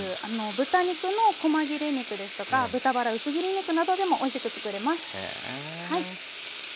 豚肉のこま切れ肉ですとか豚バラ薄切り肉などでもおいしく作れます。